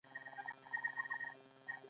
په اوس زمانه کې هر څوک په ښه او بده پوهېږي.